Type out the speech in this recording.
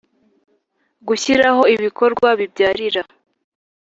Gushyiraho ibikorwa bibyarira